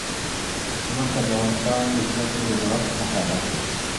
ځمکه د افغانستان د ځمکې د جوړښت نښه ده.